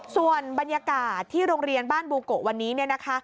ส่วนบรรยากาศที่โรงเรียนบ้านบูโกะวันนี้เนี่ยนะคะ